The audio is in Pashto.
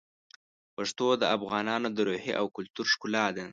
پښتو د افغانانو د روحیې او کلتور ښکلا ده.